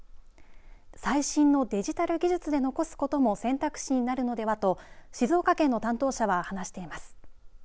最新のデジタル技術で残すことも選択肢になるのではと静岡県の担当者は話しています。